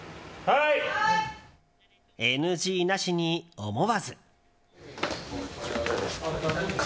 ＮＧなしに、思わず。